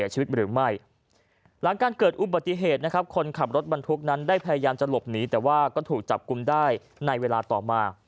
หลังการเกิดอุบัติเหตุนะครับคนขับรถบรรทุกนั้นได้พยายามจะหลบหนีแต่ว่าก็ถูกจับกลุ่มได้ในเวลาต่อมา